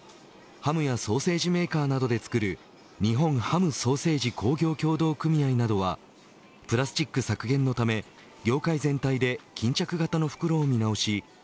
ハムやソーセージメーカーなどで作る日本ハム・ソーセージ工業協同組合などはプラスチック削減のため業界全体で巾着袋を見直し